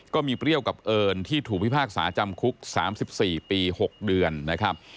เปรี้ยวกับเอิญที่ถูกพิพากษาจำคุก๓๔ปี๖เดือนนะครับ